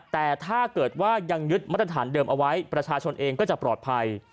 แต่ถ้าเกิดว่ายังยึดมาตรฐานเดิมเอาไว้ประชาชนเองก็จะปลอดภัย